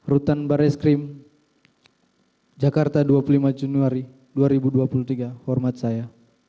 rutan barreskrim jakarta dua puluh lima juni dua ribu dua puluh tiga hormat saya